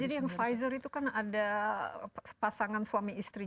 jadi yang pfizer itu kan ada pasangan suami istri